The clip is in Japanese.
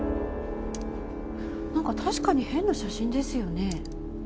なんか確かに変な写真ですよね。